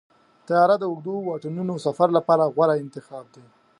طیاره د اوږدو واټنونو سفر لپاره غوره انتخاب دی.